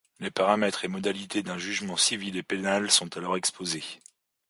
Les paramètres et modalités d'un jugement civil et pénal sont alors exposés.